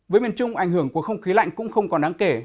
với miền trung ảnh hưởng của không khí lạnh cũng không còn đáng kể